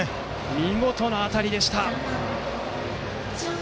見事な当たりでした。